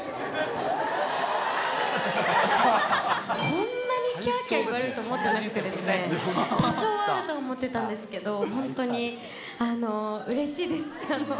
こんなにきゃあきゃあ言われると思ってなくてですね、多少はあると思ってたんですけど、本当にうれしいです。